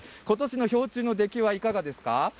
ことしの氷柱の出来はいかがですか。